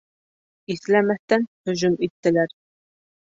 Иҫләмәҫтән һөжүм иттеләр.